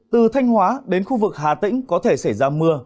từ thanh hóa đến khu vực hà tĩnh có thể xảy ra mưa